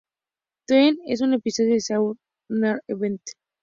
T en un episodio de Saturday Night's Main Event.